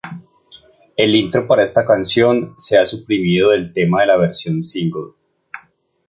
El intro para esta canción se ha suprimido del tema de la versión single.